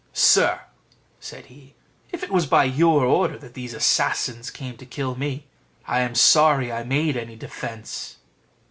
"Sir," said he, "if it was by your order that these assassins came to kill me, I am sorry I made any defence."